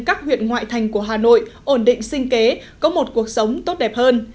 các huyện ngoại thành của hà nội ổn định sinh kế có một cuộc sống tốt đẹp hơn